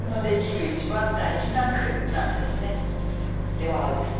ではですね